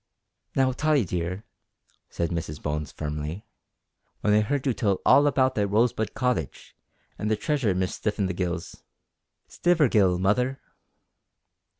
"Now, Tottie dear," said Mrs Bones firmly, "when I heard you tell all about that Rosebud Cottage, an' the treasure Miss Stiffinthegills " "Stivergill, mother."